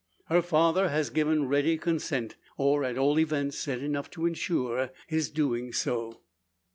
Her father has given ready consent; or at all events said enough to ensure his doing so.